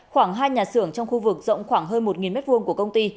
khoảng hai nhà xưởng trong khu vực rộng khoảng hơn một m hai của công ty